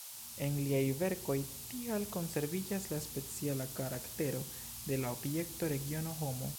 En liaj verkoj tial konserviĝas la speciala karaktero de la objekto, regiono, homo.